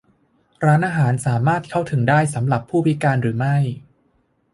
ร้านอาหารสามารถเข้าถึงได้สำหรับผู้พิการหรือไม่ ?